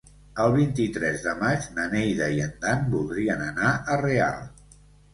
El vint-i-tres de maig na Neida i en Dan voldrien anar a Real.